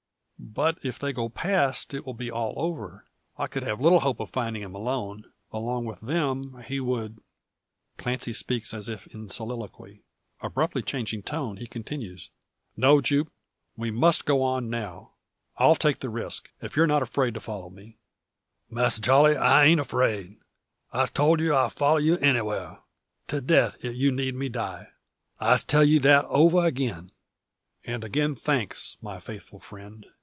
"But if they go past, it will be all over. I could have little hope of finding him alone. Along with them he would " Clancy speaks as if in soliloquy. Abruptly changing tone, he continues: "No, Jupe; we must go on, now. I'll take the risk, if you're not afraid to follow me." "Masser Charle, I ain't afraid. I'se told you I follow you anywhere to death if you need me die. I'se tell you that over again." "And again thanks, my faithful friend!